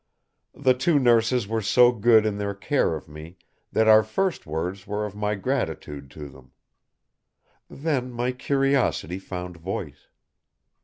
The two nurses were so good in their care of me that our first words were of my gratitude to them. Then my curiosity found voice.